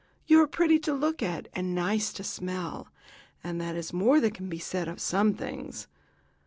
You are pretty to look at, and nice to smell, and that is more than can be said of some things."